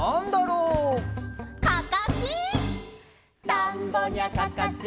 「たんぼにゃかかし」